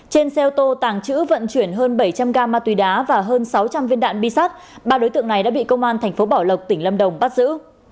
trên xe ô tô tàng trữ vận chuyển hơn bảy trăm linh gam ma túy đá và hơn sáu trăm linh viên đạn bi sắt ba đối tượng này đã bị công an thành phố bảo lộc tỉnh lâm đồng bắt giữ